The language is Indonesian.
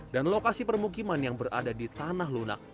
dan lokasi permukiman yang berada di tanah lunak